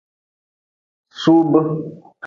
Suub.